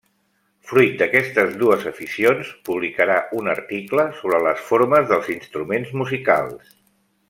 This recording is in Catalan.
Fruit d'aquestes dues aficions, publicarà un article sobre les formes dels instruments musicals.